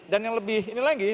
dan yang lebih ini lagi